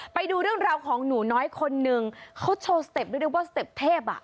ไปดูเรื่องราวของหนูน้อยคนนึงเขาโชว์สเต็ปด้วยนะว่าสเต็ปเทพอ่ะ